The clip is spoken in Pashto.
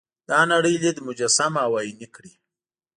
دا نړۍ لید مجسم او عیني کړي.